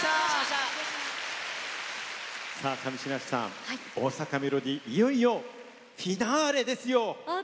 上白石さん「大阪メロディー」いよいよフィナーレです。